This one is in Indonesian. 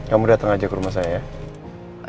kamu datang aja ke rumah saya